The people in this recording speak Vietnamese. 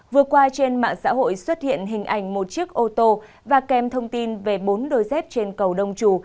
vừa qua trên mạng xã hội xuất hiện hình ảnh một chiếc ô tô và kèm thông tin về bốn đôi dép trên cầu đông trù